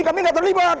kami gak terlibat